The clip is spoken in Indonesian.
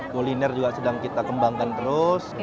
kuliner juga sedang kita kembangkan terus